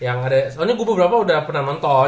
yang ada soalnya gue beberapa udah pernah nonton